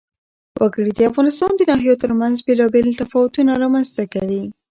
وګړي د افغانستان د ناحیو ترمنځ بېلابېل تفاوتونه رامنځ ته کوي.